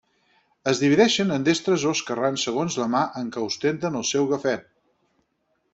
Es divideixen en destres o esquerrans segons la mà en què ostenten el seu gafet.